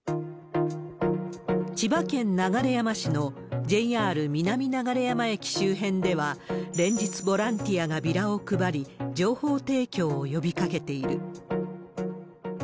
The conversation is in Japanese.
千葉県流山市のＪＲ南流山駅周辺では、連日、ボランティアがビラを配り、情報提供を呼びかけている。